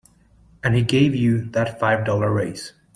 And he gave you that five dollar raise.